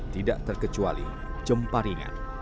tidak terkecuali cempa ringan